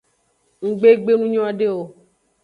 Nggbe gbe nu nyode o.